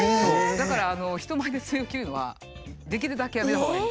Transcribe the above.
だから人前でツメを切るのはできるだけやめたほうがいい。